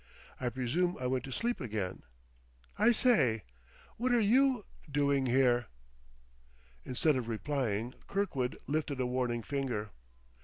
I presume I went to sleep again ... I say, what're you, doing here?" Instead of replying, Kirkwood lifted a warning finger.